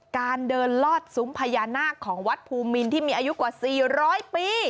การเดินลอดซุ้มพญานาคของวัดภูมินที่มีอายุกว่า๔๐๐ปี